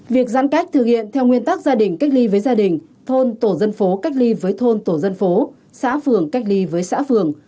việc giãn cách thực hiện theo nguyên tắc gia đình cách ly với gia đình thôn tổ dân phố cách ly với thôn tổ dân phố xã phường cách ly với xã phường